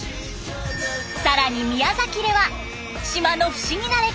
更に宮崎では島の不思議な歴史が明らかに！